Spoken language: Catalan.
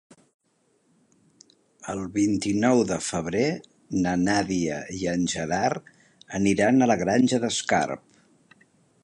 El vint-i-nou de febrer na Nàdia i en Gerard aniran a la Granja d'Escarp.